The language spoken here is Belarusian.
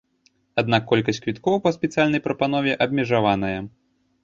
Аднак колькасць квіткоў па спецыяльнай прапанове абмежаваная.